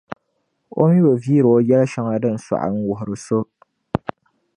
O mi bi viiri O yɛli shɛŋa din sɔɣi n-wuhiri so.